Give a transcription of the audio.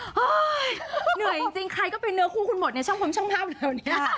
เหนื่อยจริงใครก็เป็นเนื้อคู่คุณหมดในช่องผมช่างภาพเร็วนี้